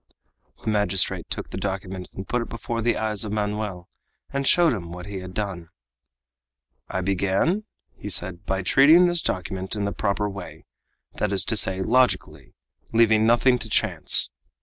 The magistrate took the document and put it before the eyes of Manoel and showed him what he had done. "I began," he said, "by treating this document in the proper way, that is to say, logically, leaving nothing to chance.